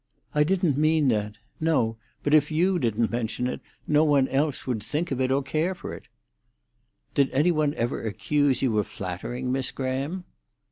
"I didn't mean that. No; but if you didn't mention it, no one else would think of it or care for it." "Did any one ever accuse you of flattering, Miss Graham?"